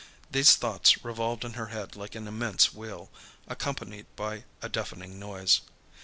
These thoughts revolved in her head like an immense wheel, accompanied by a deafening noise.